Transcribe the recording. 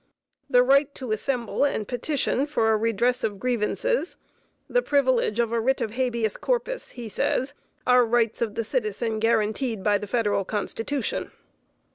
The right to assemble and petition for a redress of grievances, the privilege of the writ of habeas corpus, he says, are rights of the citizen guaranteed by the Federal Constitution.